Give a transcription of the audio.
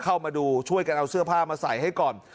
เข้ามาดูช่วยกันเอาเสื้อผ้ามาใส่ให้ก่อน